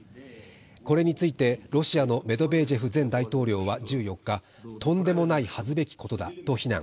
これについて、ロシアのメドベージェフ前大統領は１４日、とんでもない恥ずべきことだと非難。